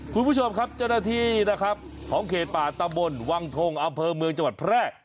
คุณผู้ชมครับเจ้าหน้าที่นะครับของเขตป่าตะบนวังทงอำเภอเมืองจังหวัดแพร่